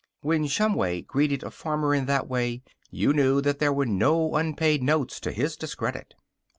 When Shumway greeted a farmer in that way you knew that there were no unpaid notes to his discredit.